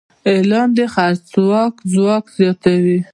اعلان د خرڅلاو ځواک زیاتوي.